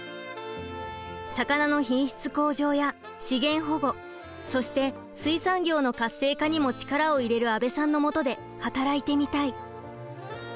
「魚の品質向上や資源保護そして水産業の活性化にも力を入れる阿部さんのもとで働いてみたい」。